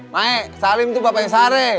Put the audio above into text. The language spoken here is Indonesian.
mae salem itu bapaknya sare